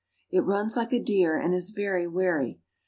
It runs like a deer and is very wary.